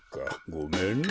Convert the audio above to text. ごめんな。